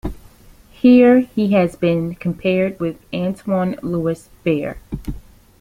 Here he has been compared with Antoine-Louis Barye.